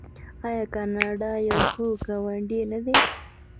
آیا کاناډا یو ښه ګاونډی نه دی؟